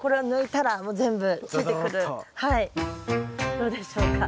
どうでしょうか？